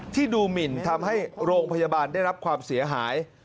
ที่ดูหมินทำให้โรงพยาบาลได้รับความเสียหาย